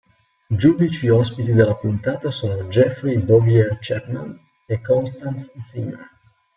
Giudici ospiti della puntata sono Jeffrey Bowyer-Chapman e Constance Zimmer.